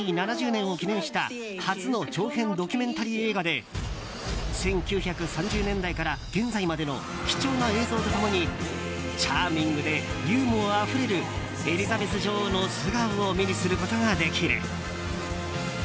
７０年を記念した初の長編ドキュメンタリー映画で１９３０年代から現在までの貴重な映像と共にチャーミングでユーモアあふれるエリザベス女王の素顔を目にすることができる。